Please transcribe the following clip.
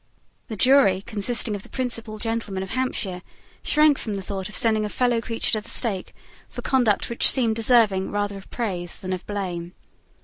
The jury, consisting of the principal gentlemen of Hampshire, shrank from the thought of sending a fellow creature to the stake for conduct which seemed deserving rather of praise than of blame.